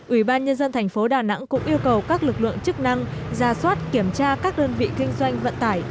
ủy ban nhân dân thành phố đà nẵng cũng yêu cầu các lực lượng chức năng ra soát kiểm tra các đơn vị kinh doanh vận tải